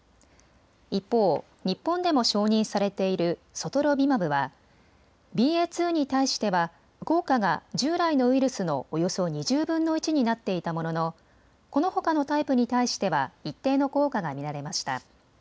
一方、日本でも承認されているソトロビマブはＢＡ．２に対しては効果が従来のウイルスのおよそ２０分の１になっていたもののこのほかのタイプに対しては一定の効果が見られました。